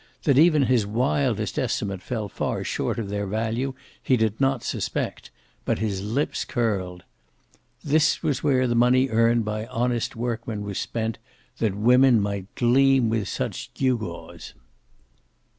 That even his wildest estimate fell far short of their value he did not suspect, but his lips curled. This was where the money earned by honest workmen was spent, that women might gleam with such gewgaws.